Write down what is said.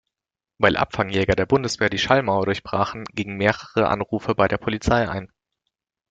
Weil Abfangjäger der Bundeswehr die Schallmauer durchbrachen, gingen mehrere Anrufe bei der Polizei ein.